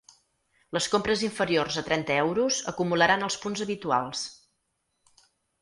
Les compres inferiors a trenta euros acumularan els punts habituals.